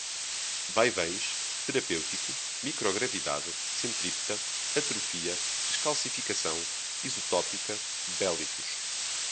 vaivéns, terapêutico, microgravidade, centrípeta, atrofia, descalcificação, isotópica, bélicos